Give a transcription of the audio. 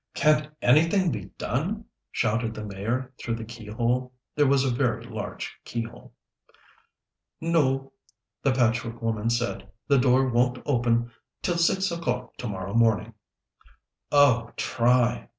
"Can't anything be done?" shouted the Mayor through the keyhole there was a very large keyhole. "No," the Patchwork Woman said. "The door won't open till six o'clock to morrow morning." "Oh, try!"